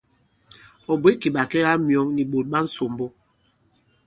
Ɔ̀ bwě kì ɓàkɛgamyɔ̌ŋ nì ɓòt ɓa ǹsòmbo.